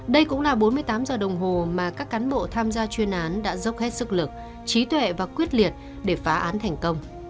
đây cũng là bốn mươi tám giờ đồng hồ mà các cán bộ tham gia chuyên án đã dốc hết sức lực trí tuệ và quyết liệt để phá án thành công